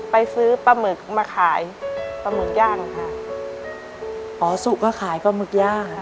ไปซื้อปลาหมึกมาขายปลาหมึกย่างค่ะอ๋อสุก็ขายปลาหมึกย่างค่ะ